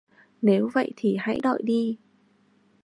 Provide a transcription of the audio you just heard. Nếu vậy thì hãy đợi đi